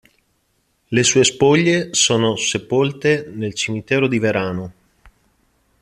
Le sue spoglie sono sepolte nel cimitero del Verano.